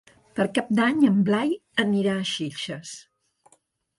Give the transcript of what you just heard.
Per Cap d'Any en Blai anirà a Xilxes.